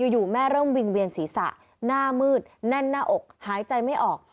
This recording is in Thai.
อยู่แม่เริ่มวิ่งเวียนศีรษะหน้ามืดแน่นหน้าอกหายใจไม่ออก